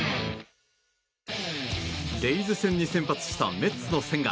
レイズ戦に先発したメッツの千賀。